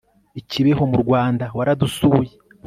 i kibeho mu rwanda waradusuye